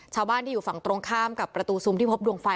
ชาวบ้านที่อยู่ฝั่งตรงข้ามกับประตูซุมที่พบดวงไฟ